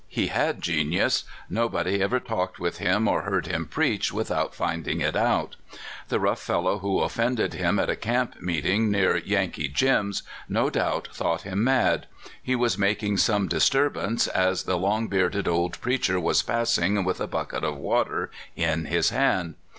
He had genius. Nobody ever talked with him, or heard him preach, with out finding it out. The rough fellow who offended '(92) NEWTON. 93 him at a camp meeting, near "Yankee Jim's/' no doubt thought him mad. He was making some disturbance just as the long bearded old preacher was passing with a bucket of water in his hand.